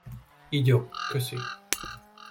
Így jobb, köszi!